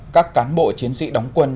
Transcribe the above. các cán bộ chiến sĩ đóng quân